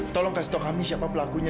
tolong kasih tahu kami siapa pelakunya